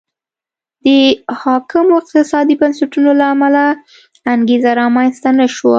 د حاکمو اقتصادي بنسټونو له امله انګېزه رامنځته نه شوه.